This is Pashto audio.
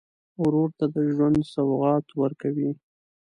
ورور ته د ژوند سوغات ورکوې.